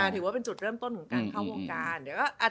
ถือว่าเป็นจุดเริ่มต้นของการเข้าวงการ